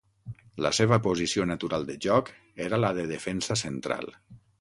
La seva posició natural de joc era la de defensa central.